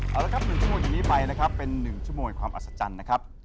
เอาละครับ๑ชั่วโมงจากนี้ไปนะครับเป็น๑ชั่วโมงความอัศจรรย์นะครับ